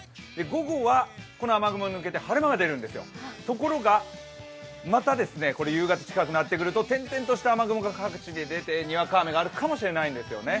午後はこの雨雲が抜けて晴れ間が出るんですよ、ところがまた夕方近くなってくると点々とした雨雲が各地で出てにわか雨があるかもしれないんですね。